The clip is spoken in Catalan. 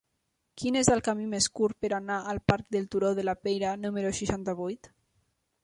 Quin és el camí més curt per anar al parc del Turó de la Peira número seixanta-vuit?